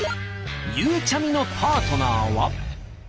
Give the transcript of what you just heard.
ゆうちゃみのパートナーは？